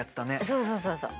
そうそうそうそう。